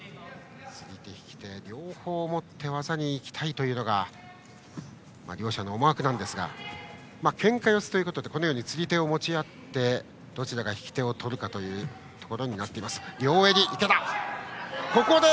釣り手、引き手両方を持って技に行きたいというのが両者の思惑ですがけんか四つということで釣り手を持ち合ってどちらが引き手を取るかという形。